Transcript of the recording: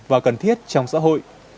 và cần thiết trong xã hội